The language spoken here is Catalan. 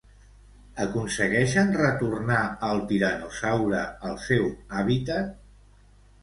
Aconsegueixen retornar el Tiranosaure al seu hàbitat?